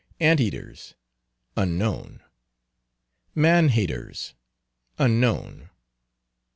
Ant eaters, unknown. Man haters, unknown.